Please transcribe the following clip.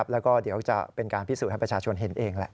แล้วก็เดี๋ยวจะเป็นการพิสูจน์ให้ประชาชนเห็นเองแหละ